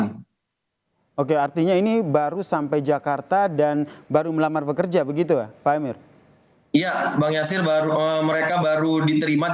dik safe christ oleh singkat tengah madagaskar berkata akses dari perkawasan khusus disologie ruko bahkan hanya menyebut kentang karamen perlu diterima